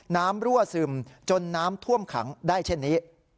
รั่วซึมจนน้ำท่วมขังได้เช่นนี้